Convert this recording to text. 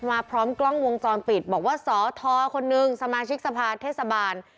พร้อมกล้องวงจรปิดบอกว่าสอทอคนนึงสมาชิกสภาเทศบาล